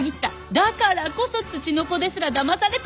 だからこそツチノコですらだまされた！